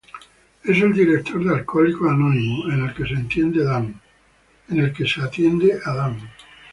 Es el director de alcohólicos anónimos en el que se atiende Dan.